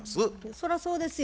そらそうですよ。